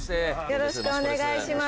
よろしくお願いします。